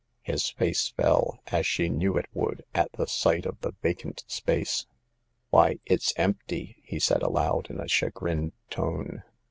His face fell, as she knew it would, at the sight of the vacant space. Why, it's empty ! he said aloud in a cha grined tone.